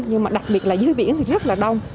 nhưng mà đặc biệt là dưới biển thì rất là đông